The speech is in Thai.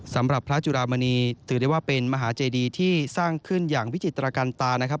สำหรับพระจุรามณีถือได้ว่าเป็นมหาเจดีที่สร้างขึ้นอย่างวิจิตรกันตานะครับ